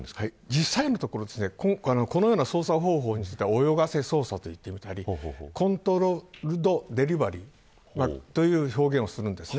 実際のところ、このような捜査方法については泳がせ捜査と言ってみたりコントロールドデリバリーという表現をするんです。